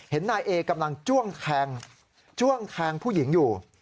นายเอกำลังจ้วงแทงจ้วงแทงผู้หญิงอยู่